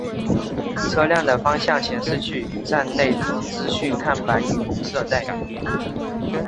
车辆的方向显示器与站内资讯看板以红色代表。